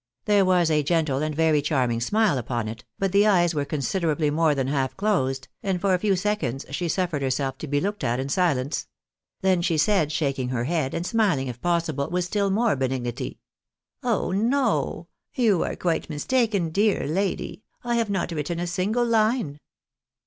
There was a gentle and very charming smile upon it, but the eyes were considerably more than half closed, and for a few seconds she suffered herself to be looked at in silence ; then she said, shaking her head, and smiling if possible with still more benignity —" Oh no ! You are quite mistaken, dear lady ; I have not written a single line."